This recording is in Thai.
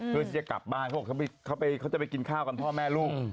เพื่อที่จะกลับบ้านเขาบอกเขาจะไปกินข้าวกันพ่อแม่ลูก